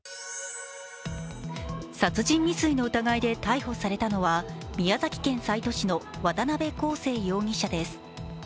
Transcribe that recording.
殺人未遂の疑いで逮捕されたのは宮崎県西都市の渡邊好生容疑者です。